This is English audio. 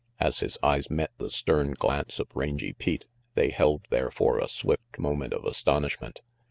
As his eyes met the stern glance of Rangy Pete, they held there for a swift moment of astonishment.